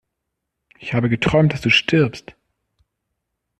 Ich habe geträumt, dass du stirbst!